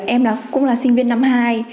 em cũng là sinh viên năm hai